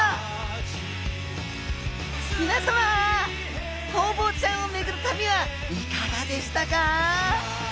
皆さまホウボウちゃんを巡る旅はいかがでしたか？